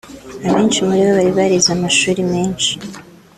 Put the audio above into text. abenshi muri bo bari barize amashuri menshi